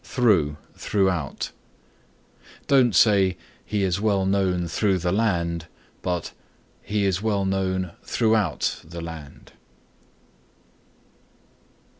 THROUGH THROUGHOUT Don't say "He is well known through the land," but "He is well known throughout the land."